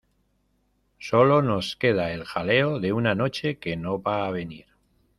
Sólo nos queda el jaleo de una noche que no va a venir.